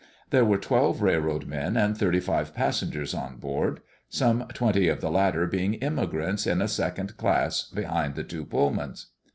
There were twelve railroad men and thirty five passengers on board, some twenty of the latter being immigrants in a second class behind the two Pullmans.